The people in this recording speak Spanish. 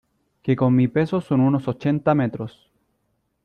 que con mi peso son unos ochenta metros.